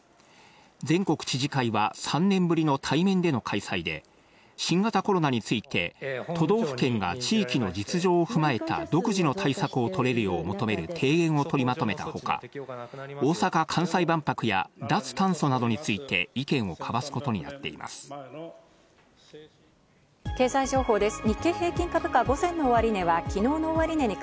全国知事会は３年ぶりの対面での開催で、新型コロナについて、都道府県が地域の実情を踏まえた独自の対策を取れるよう求める提言を取りまとめたほか、大阪・関西万博や脱炭素などについて意見を交わすことになってい経済情報です。